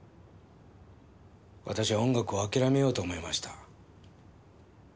私は音楽をあきらめようと思いました。